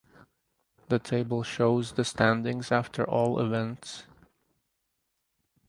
The table shows the standings after all events.